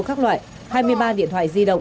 khác loại hai mươi ba điện thoại di động